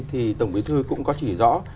thì tổng bí thư cũng có chỉ rõ